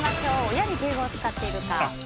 親には敬語を使っている？